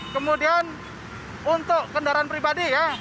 kemudian untuk kendaraan pribadi ya